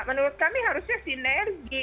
menurut kami harusnya sinergi